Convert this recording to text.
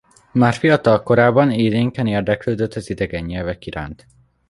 Már fiatal korában élénken érdeklődött az idegen nyelvek iránt.